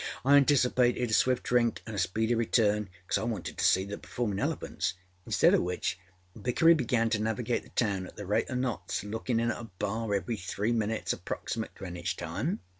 I anticipated a swift drink anâ a speedy return, because I wanted to see the performinâ elephants. Instead oâ which Vickery began to navigate the town at the rate oâ knots, lookinâ in at a bar every three minutes approximate Greenwich time.